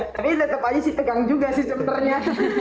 tapi tetap aja sih tegang juga sih sebenarnya